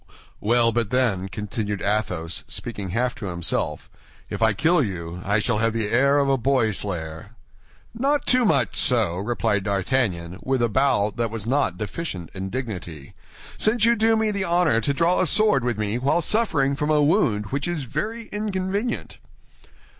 "Well, but then," continued Athos, speaking half to himself, "if I kill you, I shall have the air of a boy slayer." "Not too much so," replied D'Artagnan, with a bow that was not deficient in dignity, "since you do me the honor to draw a sword with me while suffering from a wound which is very inconvenient."